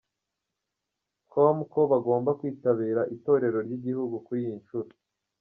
com ko bagomba kwitabira itorero ry'igihugu kuri iyi nshuro.